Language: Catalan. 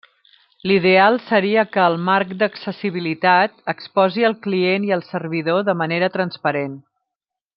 L'ideal seria que el marc d'accessibilitat exposi al client i el servidor de manera transparent.